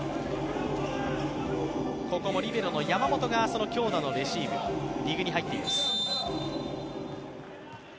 リベロの山本が強打のレシーブ、ディグに入っています。